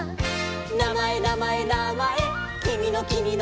「なまえなまえなまえきみのきみのなまえ」